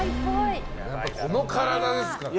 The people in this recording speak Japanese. この体ですからね。